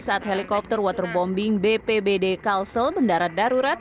saat helikopter waterbombing bpbd kalsel mendarat darurat